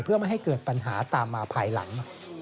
เพื่อไม่ให้เกิดปัญหาตามมาภายหลัง